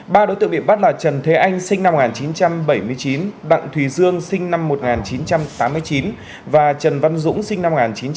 ba đối tượng bị bắt là trần thế anh sinh năm một nghìn chín trăm bảy mươi chín đặng thùy dương sinh năm một nghìn chín trăm tám mươi chín và trần văn dũng sinh năm một nghìn chín trăm tám mươi